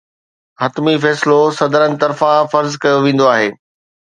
حتمي فيصلو صدرن طرفان فرض ڪيو ويندو آهي